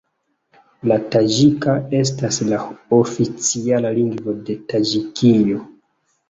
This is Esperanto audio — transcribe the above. La taĝika estas la oficiala lingvo de Taĝikio.